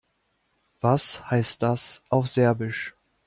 Was heißt das auf Serbisch?